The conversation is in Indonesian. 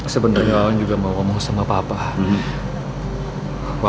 sebenarnya orang juga mau ngomong sama papa